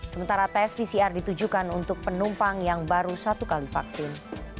sementara tes pcr ditujukan untuk penumpang yang baru satu kali vaksin